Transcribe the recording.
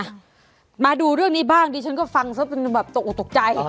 มาดูเรื่องนี้บ้างดิฉันก็ฟังซะจนแบบตกออกตกใจ